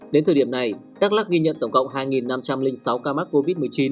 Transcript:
đến thời điểm này đắk lắc ghi nhận tổng cộng hai năm trăm linh sáu ca mắc covid một mươi chín